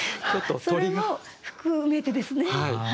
それも含めてですね。